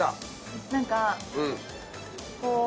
何かこう。